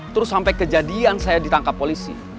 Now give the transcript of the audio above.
terus sampai kejadian saya ditangkap polisi